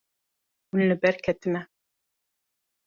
Hûn li ber ketine.